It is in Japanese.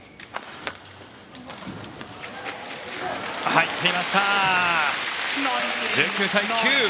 入っていました。